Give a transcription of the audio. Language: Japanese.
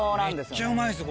めっちゃうまいです